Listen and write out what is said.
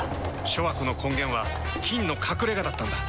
諸悪の根源は「菌の隠れ家」だったんだ。